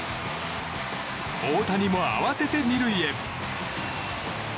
大谷も慌てて２塁へ。